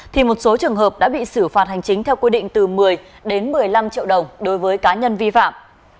thì một số trường hợp đã bị xử phạt hành chính theo quy định từ một mươi đến một mươi năm triệu đồng đối với cá nhân vi phạm